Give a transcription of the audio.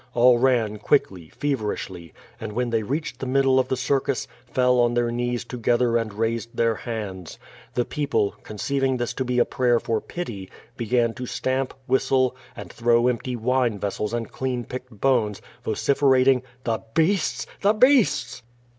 All ran quickly, feverishly, and when they reached the middle of the circus, fell on their knees together and raised their hands. The people, conceiv ing this to be a prayer for pity, began to stamp, whistle, and throw empty wine vessels and clean picked bones, vociferat ing: "The beasts! The beasts!"